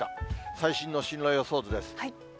最新の進路予想図です。